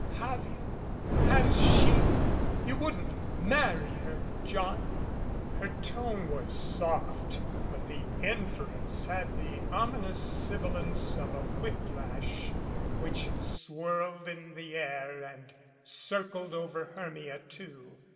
"Have you ? Has she ? You wouldn't marry her, John?" Her tone was soft, but the inference had the ominous sibilance of a whip lash, which swirled in the air and circled over Hermia, too.